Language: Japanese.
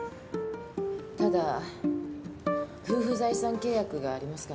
ただ夫婦財産契約がありますからね。